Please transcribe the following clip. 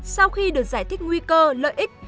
sau khi được giải thích nguy cơ lợi ích